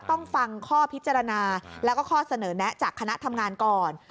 ต้องฟังข้อพิจารณาแล้วก็ข้อเสนอแนะจากคณะทำงานก่อน